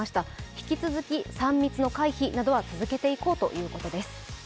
引き続き３密の回避などは続けていこうということです。